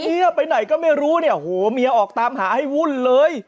เมียไปไหนก็ไม่รู้เนี่ยโหเมียออกตามหาให้วุ่นเลย